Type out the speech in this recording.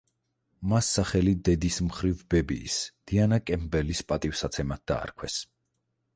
მას სახელი დედის მხრივ ბებიის, დიანა კემპბელის პატივსაცემად დაარქვეს.